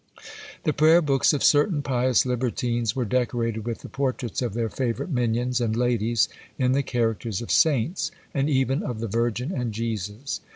The prayer books of certain pious libertines were decorated with the portraits of their favourite minions and ladies in the characters of saints, and even of the Virgin and Jesus.